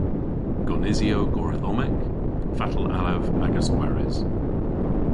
"Gonisyow goredhommek, fatel allav agas gweres?"